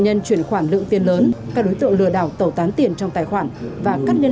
nhân chuyển khoản lượng tiền lớn các đối tượng lừa đảo tẩu tán tiền trong tài khoản và cắt nhân